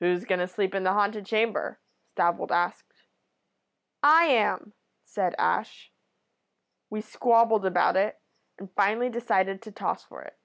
"'Who's going to sleep in the haunted chamber?' Stavold asked. "'I am,' said Ash. "We squabbled about it, and finally decided to toss for it.